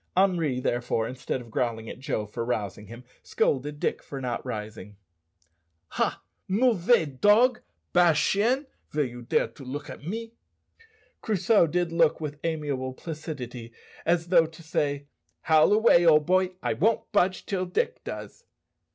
Henri, therefore, instead of growling at Joe for rousing him, scolded Dick for not rising. "Ha, mauvais dog! bad chien! vill you dare to look to me?" Crusoe did look with amiable placidity, as though to say, "Howl away, old boy, I won't budge till Dick does."